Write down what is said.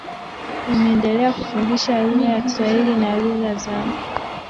Imeendelea kufundisha lugha ya kiswahili na lugha za